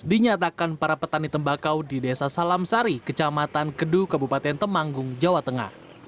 dinyatakan para petani tembakau di desa salamsari kecamatan keduh kebupaten temanggung jawa tengah